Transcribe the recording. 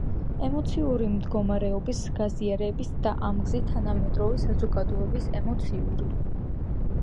ემოციური მდგომარეობის გაზიარებისა და ამ გზით თანამედროვე საზოგადოების ემოციური